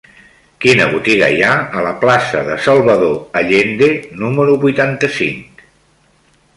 Quina botiga hi ha a la plaça de Salvador Allende número vuitanta-cinc?